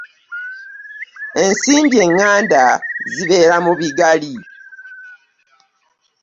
Ensimbi enganda zibeera mu bigali.